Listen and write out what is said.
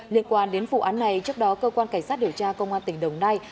liên quan đến vụ án này trước đó cơ quan cảnh sát điều tra công an tỉnh đồng nai